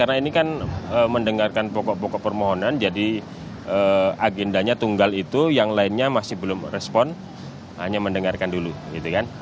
karena ini kan mendengarkan pokok pokok permohonan jadi agendanya tunggal itu yang lainnya masih belum respon hanya mendengarkan dulu gitu kan